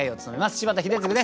柴田英嗣です。